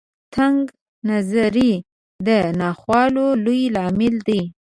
تنګ نظري د ناخوالو لوی لامل دی.